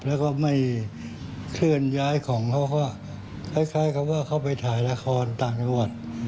แล้วก็ไม่เคลื่อนย้ายของเขาก็คล้ายกับว่าเขาไปถ่ายละครต่างจังหวัด